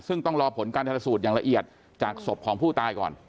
ซึ่งต้องรอผลการทันสูตรอย่างละเอียดจากศพของผู้ตายก่อน